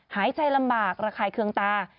หายใจลำบากระคายเคืองตา